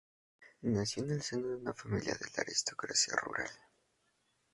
Nació en el seno de una familia de la aristocracia rural.